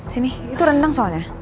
sini itu rendang soalnya